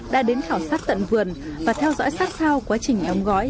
đã đến khảo sát tận vườn và theo dõi sát sao quá trình đóng gói